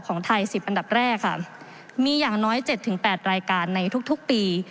ของไทย๑๐อันดับแรกค่ะมีอย่างน้อย๗๘รายการในทุกทุกปี